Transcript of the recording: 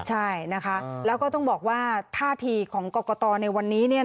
ใช่นะคะแล้วก็ต้องบอกว่าท่าทีของกรกตในวันนี้